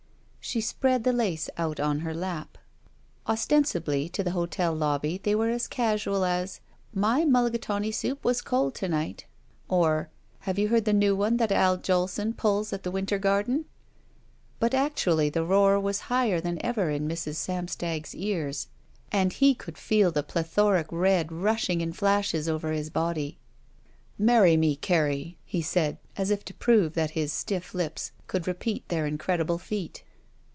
She spread the lace out on her lap. Ostensibly to the hotel lobby they were as casual as, "My mulligatawny soup was cold to night," or, "Have you heard the new one that Al Jolson pulls at the Winter Garden?" But actually the roar was higher than ever in Mrs. Samstag's ears and he cotdd feel the plethoric red rushing in flashes over his body, J3 SHE WALKS IN BEAUTY *'Many me, Carrie," he said, as if to prove that his stiff lips could repeat their incredible feat.